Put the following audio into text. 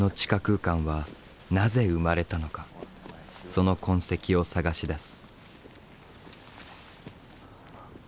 その痕跡を探し出す。